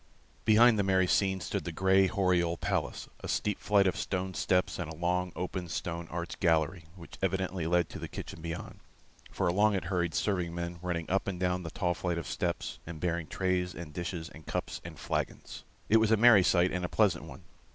Behind the merry scene stood the gray, hoary old palace, a steep flight of stone steps, and a long, open, stone arched gallery, which evidently led to the kitchen beyond, for along it hurried serving men, running up and down the tall flight of steps, and bearing trays and dishes and cups and flagons. It was a merry sight and a pleasant one.